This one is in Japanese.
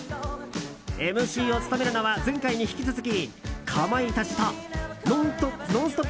ＭＣを務めるのは前回に引き続き、かまいたちと「ノンストップ！」